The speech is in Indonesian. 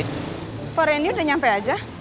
eh pak randy udah nyampe aja